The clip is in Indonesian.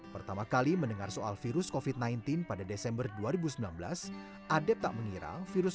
pertama kali mendengar soal virus kofit sembilan belas pada desember dua ribu sembilan belas adep tak mengira virus